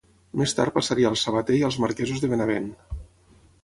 Més tard passaria als Sabater i als marquesos de Benavent.